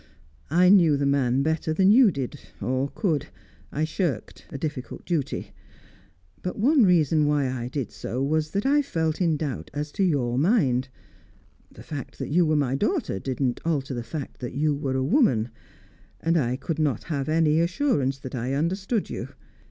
"I knew the man better than you did or could. I shirked a difficult duty. But one reason why I did so, was that I felt in doubt as to your mind. The fact that you were my daughter did not alter the fact that you were a woman, and I could not have any assurance that I understood you.